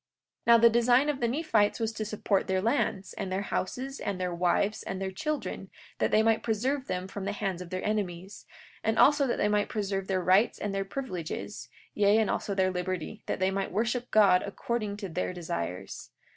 43:9 And now the design of the Nephites was to support their lands, and their houses, and their wives, and their children, that they might preserve them from the hands of their enemies; and also that they might preserve their rights and their privileges, yea, and also their liberty, that they might worship God according to their desires.